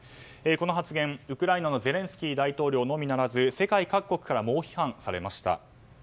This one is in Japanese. この発言、ウクライナのゼレンスキー大統領のみならず世界各国から猛批判されました。